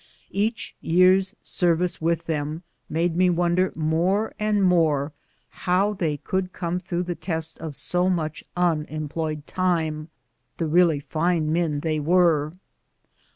Each year's service with them made me wonder more and more how they could come through the test of so much unemployed time, the really fine men they were.